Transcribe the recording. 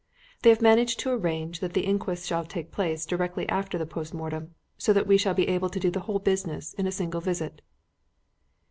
They have managed to arrange that the inquest shall take place directly after the post mortem, so that we shall be able to do the whole business in a single visit."